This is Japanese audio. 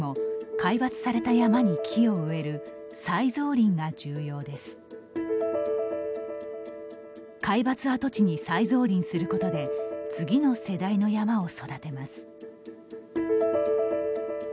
皆伐跡地に再造林することで次の世代の山を育てます。